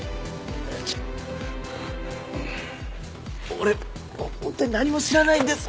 俺本当に何も知らないんです。